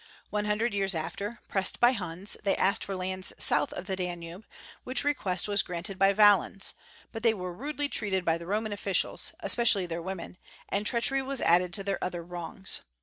One hundred years after, pressed by Huns, they asked for lands south of the Danube, which request was granted by Valens; but they were rudely treated by the Roman officials, especially their women, and treachery was added to their other wrongs.